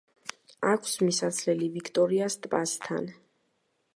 აქვს მისასვლელი ვიქტორიას ტბასთან.